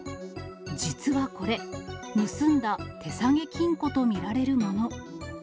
実はこれ、盗んだ手提げ金庫と見られるもの。